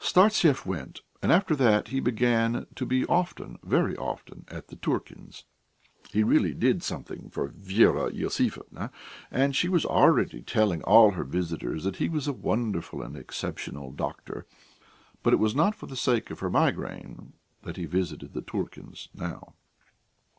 Startsev went, and after that he began to be often, very often at the Turkins'.... He really did something for Vera Iosifovna, and she was already telling all her visitors that he was a wonderful and exceptional doctor. But it was not for the sake of her migraine that he visited the Turkins' now....